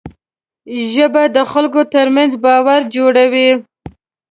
ژبه د خلکو ترمنځ باور جوړوي